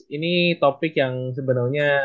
ini topik yang sebenarnya